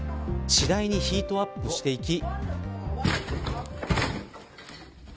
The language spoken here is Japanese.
次第にヒートアップしていき。